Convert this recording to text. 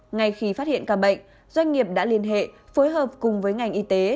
ngay khi phát hiện ca bệnh doanh nghiệp đã liên hệ phối hợp cùng với ngành y tế